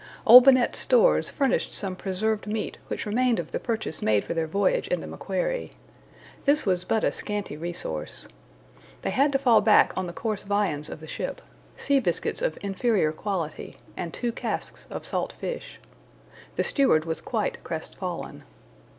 Olbinett's stores furnished some preserved meat which remained of the purchase made for their voyage in the MACQUARIE. This was but a scanty resource. They had to fall back on the coarse viands of the ship; sea biscuits of inferior quality, and two casks of salt fish. The steward was quite crestfallen.